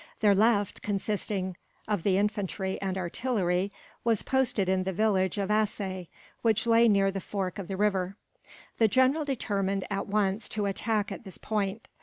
Their left, consisting of the infantry and artillery, was posted in the village of Assaye, which lay near the fork of the river. The general determined, at once, to attack at this point.